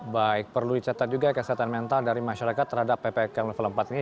baik perlu dicatat juga kesehatan mental dari masyarakat terhadap ppkm level empat ini